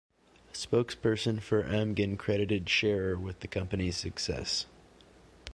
A spokesperson for Amgen credited Sharer with the company's success.